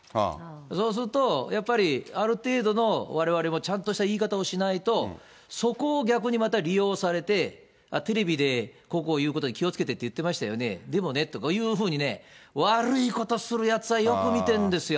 そうすると、やっぱり、ある程度のわれわれもちゃんとした言い方をしないと、そこを逆にまた利用されて、テレビで、こうこういうことに気をつけてとかって言ってましたよね、でもねっていうふうにね、悪いことするやつはよく見てるんですよ。